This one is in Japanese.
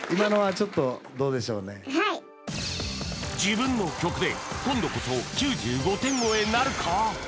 はい自分の曲で今度こそ９５点超えなるか！？